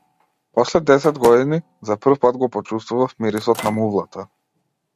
После десет години, за прв пат го почувствував мирисот на мувлата.